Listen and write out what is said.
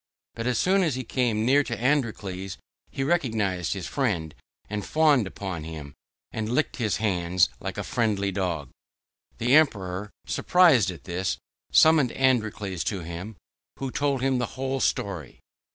But as soon as he came near to Androcles he recognized his friend, and fawned upon him, and licked his hands like a friendly dog. The Emperor, surprised at this, summoned Androcles to him, who told him the whole story.